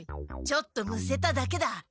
ちょっとむせただけだ。